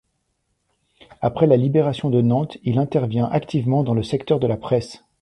Après la Libération de Nantes, il intervient activement dans le secteur de la presse.